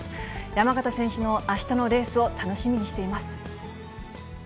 山縣選手のあしたのレースを楽しみにしています。